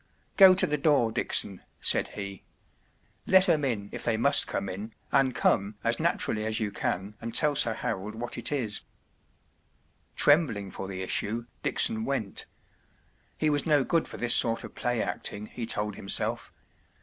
“ Go to the door, Dickson,” said he. “ Let ’em in if they must come in, and come, as naturally as you can, and tell Sir Harold what it is.” Tjembling for the issue, Dickson went. He was no good for this sort of play acting, he told himself.